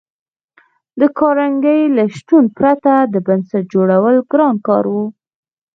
د کارنګي له شتون پرته د بنسټ جوړول ګران کار و